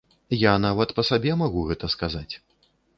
Я нават па сабе магу гэта сказаць.